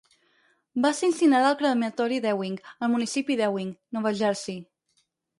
Va ser incinerada al crematori Ewing, al municipi d'Ewing (Nova Jersey).